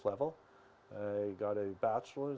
dan kita gunakan kemahiran itu